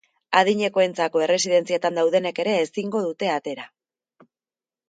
Adinekoentzako erresidentzietan daudenek ere ezingo dute atera.